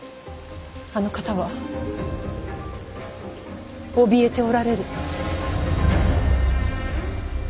あの方はおびえておられる。